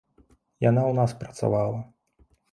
Яна ў нас працавала.